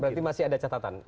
berarti masih ada catatan